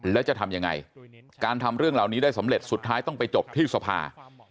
แล้วจะทำยังไงการทำเรื่องเหล่านี้ได้สำเร็จสุดท้ายต้องไปจบที่สภา